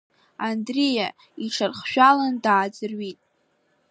Андриа иҽахаршәалан дааӡырҩит…